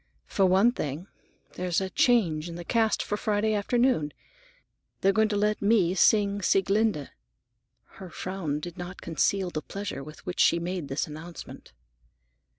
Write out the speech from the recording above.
"For one thing, there's a change in the cast for Friday afternoon. They're going to let me sing Sieglinde." Her frown did not conceal the pleasure with which she made this announcement.